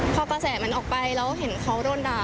พอกระแสมันออกไปแล้วเห็นเขาโดนด่า